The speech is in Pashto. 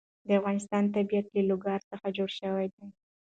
د افغانستان طبیعت له لوگر څخه جوړ شوی دی.